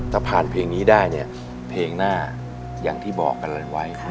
ถ้าผ่านเพลงนี้ได้เนี่ยเพลงหน้าอย่างที่บอกกันเลยไว้